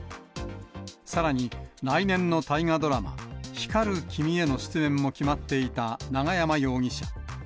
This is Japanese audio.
さらに来年の大河ドラマ、光る君への出演も決まっていた永山容疑者。